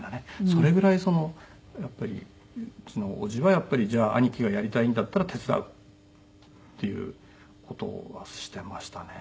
それぐらいそのやっぱりうちの叔父はじゃあ兄貴がやりたいんだったら手伝うっていう事はしてましたね。